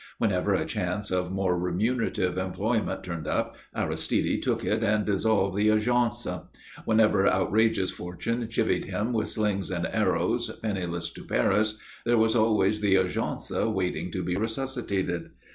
Whenever a chance of more remunerative employment turned up, Aristide took it and dissolved the Agence. Whenever outrageous fortune chivied him with slings and arrows penniless to Paris, there was always the Agence waiting to be resuscitated.